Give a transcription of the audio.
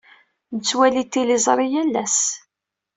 Nettwali tiliẓri yal ass.